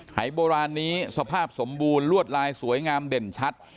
หายโบราณนี้สภาพสมบูรณ์ลวดลายสวยงามเด่นชัด